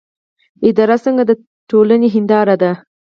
اداره څنګه د ټولنې هنداره ده؟